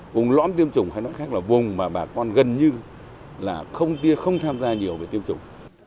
vùng lõm tiêm chủng hay nói khác là vùng mà bà con gần như là không tham gia nhiều về tiêm chủng